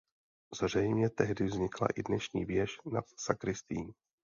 Zřejmě tehdy vznikla i dnešní věž nad sakristií.